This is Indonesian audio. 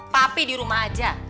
papi di rumah aja